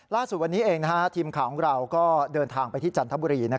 ล่าสุดวันนี้เองทีมข่าวของเราก็เดินทางไปที่จันทบุรี